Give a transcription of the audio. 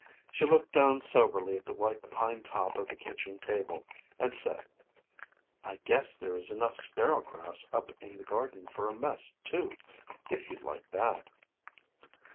She looked down soberly at the white pine top of the kitchen table and said, "I guess there is enough sparrow grass up in the garden for a mess, too, if you'd like that."